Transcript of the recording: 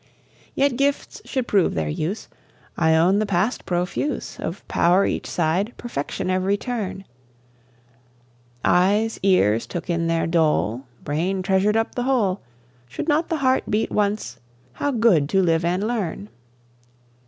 Yet gifts should prove their use: I own the Past profuse Of power each side, perfection every turn: Eyes, ears took in their dole, Brain treasured up the whole: Should not the heart beat once "How good to live and learn?"